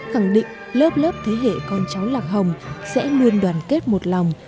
khẳng định lớp lớp thế hệ con cháu lạc hồng sẽ luôn đoàn kết một lòng